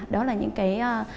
đó là những cái